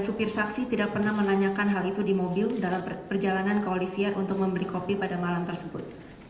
supir saksi tidak pernah menanyakan hal itu di mobil dalam perjalanan ke olivier untuk membeli kopi pada malam tersebut